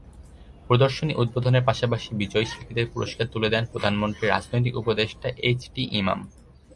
প্রদর্শনী উদ্বোধনের পাশাপাশি বিজয়ী শিল্পীদের পুরস্কার তুলে দেন প্রধানমন্ত্রীর রাজনৈতিক উপদেষ্টা এইচ টি ইমাম।